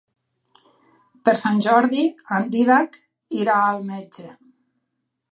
Per Sant Jordi en Dídac irà al metge.